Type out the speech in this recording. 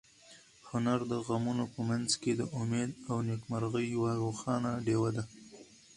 هنر د غمونو په منځ کې د امید او نېکمرغۍ یوه روښانه ډېوه ده.